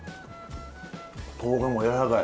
とうがんもやわらかい。